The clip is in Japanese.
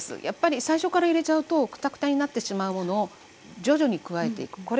やっぱり最初から入れちゃうとくたくたになってしまうものを徐々に加えていく。